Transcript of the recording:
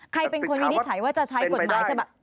ใครเป็นคนวินิจฉัยว่าจะใช้กฎหมายฉบับ